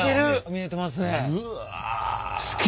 見えてますね。